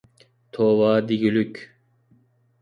توۋا دېگۈلۈك!